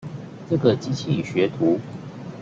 這個機器學徒